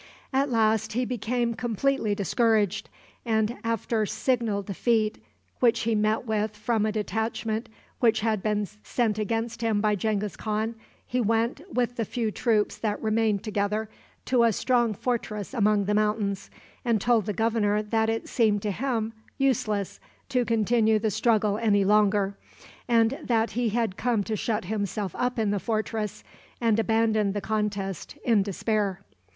At last he became completely discouraged, and, after signal defeat which he met with from a detachment which had been sent against him by Genghis Khan, he went, with the few troops that remained together, to a strong fortress among the mountains, and told the governor that it seemed to him useless to continue the struggle any longer, and that he had come to shut himself up in the fortress, and abandon the contest in despair.